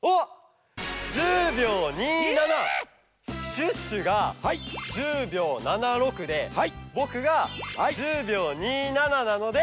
シュッシュが１０秒７６でぼくが１０秒２７なので。